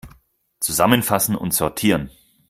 Zusammenfassen und sortieren!